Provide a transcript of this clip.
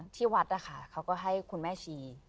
ที่วัดนะคะเขาก็ให้คุณแม่ชี